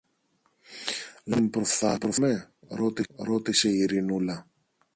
Λες να τον προφθάσομε; ρώτησε η Ειρηνούλα.